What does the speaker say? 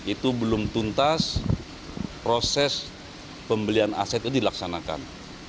itu belum tuntas proses pembelian aset itu dilaksanakan